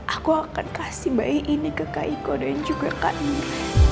aku akan kasih bayi ini ke kak iko dan juga kak nur